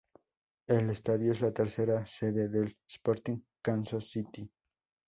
El estadio es la tercera sede del Sporting Kansas City.